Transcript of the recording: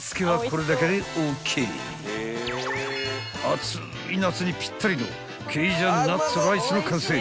［暑い夏にぴったりのケイジャンナッツライスの完成］